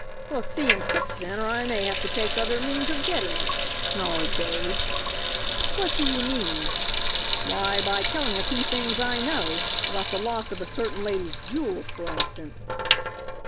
"Well, see him quick then, or I may have to take other means of getting it," snarled Dade. "What do you mean?" "Why, by telling a few things I know. About the loss of a certain lady's jewels, for instance."